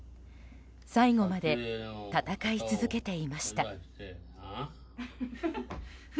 最後まで闘い続けていました。